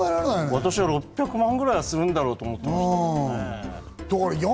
私は６００万円くらいするんだろうと思ったけど。